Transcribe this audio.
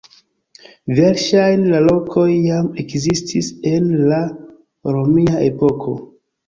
Verŝajne la lokoj jam ekzistis en la romia epoko.